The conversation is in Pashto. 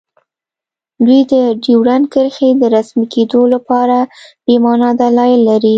دوی د ډیورنډ کرښې د رسمي کیدو لپاره بې مانا دلایل لري